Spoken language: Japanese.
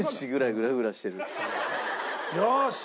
よし！